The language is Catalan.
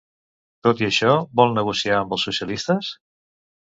Tot i això, vol negociar amb els socialistes?